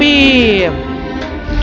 terima kasih tuan